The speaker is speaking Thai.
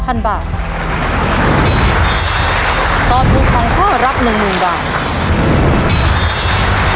ตอบถูก๒ข้อรับ๑๐๐๐บาท